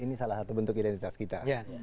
ini salah satu bentuk identitas kita